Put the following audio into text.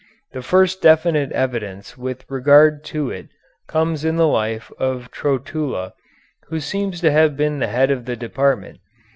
The first definite evidence with regard to it comes in the life of Trotula, who seems to have been the head of the department.